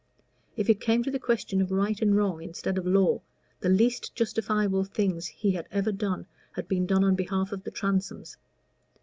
If it came to a question of right and wrong instead of law, the least justifiable things he had ever done had been done on behalf of the Transomes.